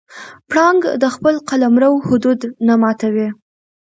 پړانګ د خپل قلمرو حدود نه ماتوي.